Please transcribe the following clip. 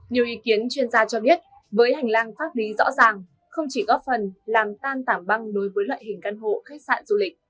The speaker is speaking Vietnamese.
nhiều ý kiến chuyên gia cho biết với hành lang pháp lý rõ ràng không chỉ góp phần làm tan tảng băng đối với loại hình căn hộ khách sạn du lịch